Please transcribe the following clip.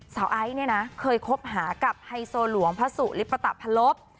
ไอซ์เนี่ยนะเคยคบหากับไฮโซหลวงพระสุริปตะพลบ